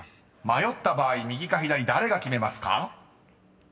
［迷った場合右か左誰が決めますか？］